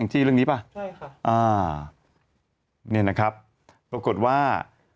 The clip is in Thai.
ที่เรื่องนี้ป่ะใช่ค่ะอ่าเนี่ยนะครับปรากฏว่า